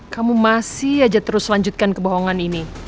kamu masih aja terus lanjutkan kebohongan ini